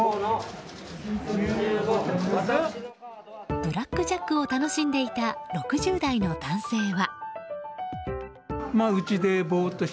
ブラックジャックを楽しんでいた、６０代の男性は。